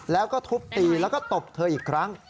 แล้วก็ทุบตีแล้วก็ตบเธออีกครั้ง